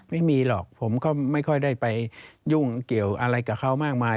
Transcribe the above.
ไม่มีหรอกผมก็ไม่ค่อยได้ไปยุ่งเกี่ยวอะไรกับเขามากมาย